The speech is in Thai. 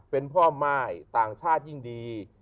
เป็นพ่อม่ายต่างชาติยิ่งดี